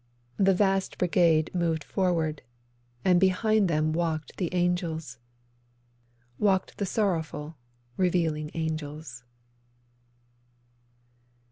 The vast brigade moved forward, and behind then walked the Angels, Walked the sorrowful Revealing Angels.